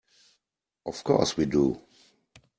Of course we do.